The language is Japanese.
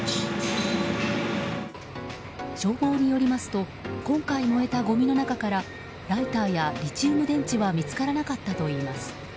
消防によりますと今回燃えたごみの中からライターやリチウムイオン電池は見つからなかったといいます。